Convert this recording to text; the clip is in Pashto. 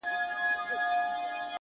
هغه د شنه ځنګله په څنډه کي سرتوره ونه،